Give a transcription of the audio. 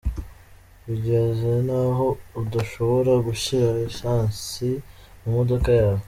Bigeze n’aho udashobora gushyira lisansi mu modoka yawe.